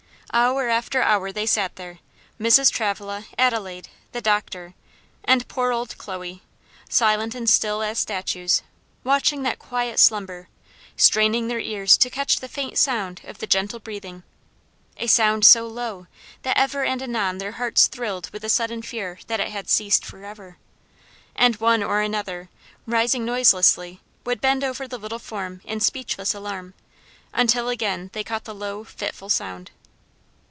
Hour after hour they sat there Mrs. Travilla, Adelaide, the doctor, and poor old Chloe silent and still as statues, watching that quiet slumber, straining their ears to catch the faint sound of the gentle breathing a sound so low that ever and anon their hearts thrilled with the sudden fear that it had ceased forever; and one or another, rising noiselessly, would bend over the little form in speechless alarm, until again they caught the low, fitful sound.